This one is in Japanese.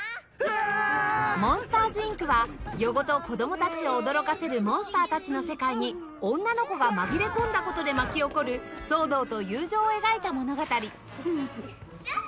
『モンスターズ・インク』は夜ごと子どもたちを驚かせるモンスターたちの世界に女の子が紛れ込んだ事で巻き起こる騒動と友情を描いた物語